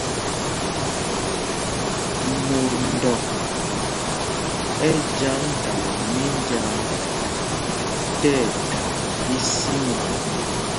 Mot ndɔk ɛ jyaŋ dala mínjāā ti ɛdak ísinɔŋ.